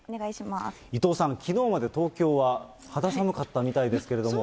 伊藤さん、きのうまで東京は肌寒かったみたいですけれども。